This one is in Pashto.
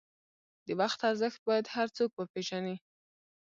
د وخت ارزښت باید هر څوک وپېژني.